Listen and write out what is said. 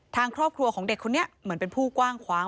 ทางครอบครัวของเด็กคนนี้เหมือนเป็นผู้กว้างขวาง